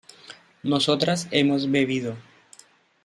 nosotras hemos bebido